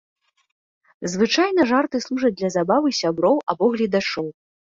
Звычайна жарты служаць для забавы сяброў або гледачоў.